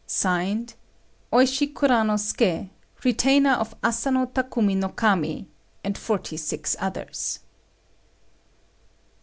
"Signed, OISHI KURANOSUKÉ, Retainer of Asano Takumi no Kami, and forty six others."